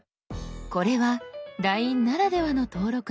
これは「ＬＩＮＥ」ならではの登録の項目。